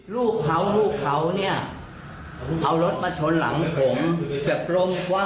ลูกครเผ่าลูกครเผ่าเนี่ยเอารถมาชนหลังผมแบบโร่งคว่ำ